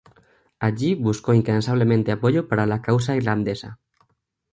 Allí buscó incansablemente apoyo para la causa irlandesa.